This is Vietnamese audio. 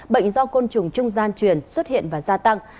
bệnh do côn trùng trung gian truyền xuất hiện và gia tăng